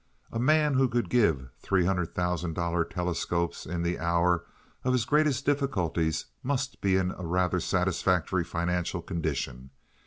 A man who could give three hundred thousand dollar telescopes in the hour of his greatest difficulties must be in a rather satisfactory financial condition.